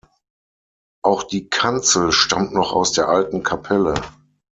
Auch die Kanzel stammt noch aus der alten Kapelle.